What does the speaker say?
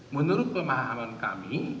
menurut pemahaman kami